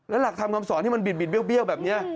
แล้วหลักทำคำสอนที่มันบิดเบี้ยวแบบนี้